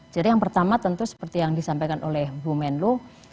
jadi yang pertama tentu seperti yang disampaikan oleh bu menlo